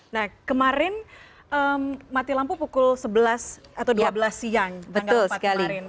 nah kemarin mati lampu pukul sebelas atau dua belas siang tanggal empat kemarin